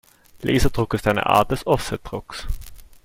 Laserdruck ist eine Art des Offsetdrucks.